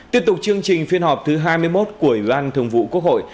tiếp tục chương trình phiên họp thứ hai mươi một của ủy ban thường vụ quốc hội